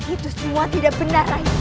itu semua tidak benar